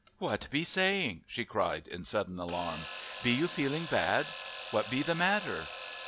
"What be saying?" she cried in sudden alarm. "Be you feeling bad what be the matter?"